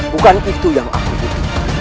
bukan itu yang aku butuh